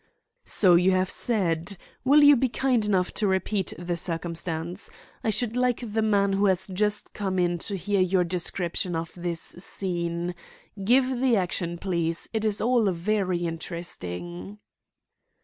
"So you have said. Will you be kind enough to repeat the circumstance? I should like the man who has just come in to hear your description of this scene. Give the action, please. It is all very interesting."